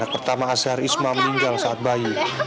anak pertama azhar isma meninggal saat bayi